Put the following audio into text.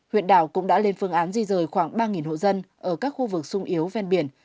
huyện đảo cũng đã lên phương án di rời khoảng ba hộ dân ở các khu vực sung yếu ven biển